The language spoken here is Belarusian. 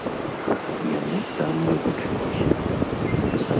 Яны там не вучыліся.